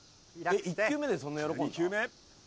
「１球目でそんな喜んでた？」